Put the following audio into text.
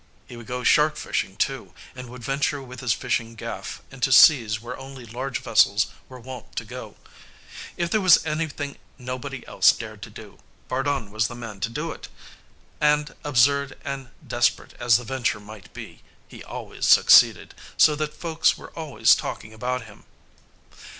He would go shark fishing too, and would venture with his fishing gaff into seas where only large vessels were wont to go. If there was anything nobody else dared do, Bardun was the man to do it. And, absurd and desperate as the venture might be, he always succeeded, so that folks were always talking about him.